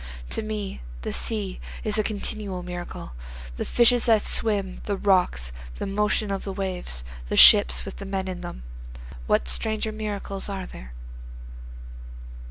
To me the sea is a continual miracle, The fishes that swim the rocks the motion of the waves the ships with the men in them, What stranger miracles are there?